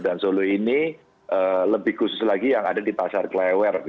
dan solo ini lebih khusus lagi yang ada di pasar klewer